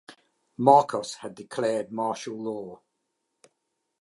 Marcos had declared Martial Law.